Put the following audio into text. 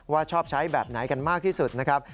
ชอบใช้แบบไหนกันมากที่สุดนะครับ